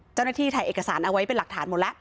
เจ้าหน้าที่ถ่ายเอกสารเอาไว้เป็นหลักฐานหมดแล้ว